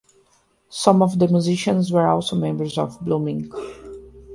Some of the musicians were also members of Blue Mink.